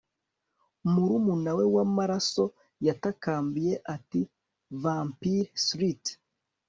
murumuna we w'amaraso. yatakambiye ati vampire-slut